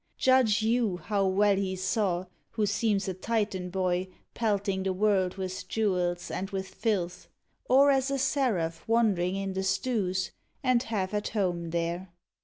Judge you How well he saw, who seems a Titan boy Pelting the world with jewels and with filth, Or as a seraph wandering in the stews, And half at home there.